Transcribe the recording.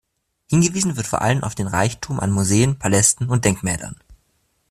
Hingewiesen wird vor allem auf den Reichtum an Museen, Palästen und Denkmälern.